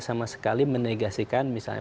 sama sekali menegaskan misalnya